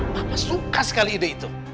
bapak suka sekali ide itu